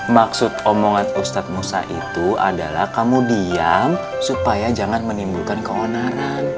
maksud omongan ustadz musa itu adalah kamu diam supaya jangan menimbulkan keonaran